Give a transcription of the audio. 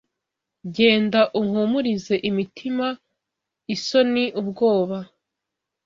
Genda uhumurize imitima isonin, ubwoba